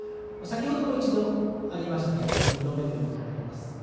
先ほども一度ありましたがこれで２度目となります。